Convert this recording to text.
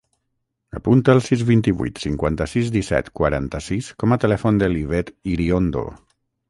Apunta el sis, vint-i-vuit, cinquanta-sis, disset, quaranta-sis com a telèfon de l'Ivet Iriondo.